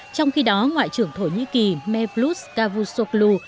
trong khi đó ngoại trưởng thổ nhĩ kỳ mevlut cavusoglu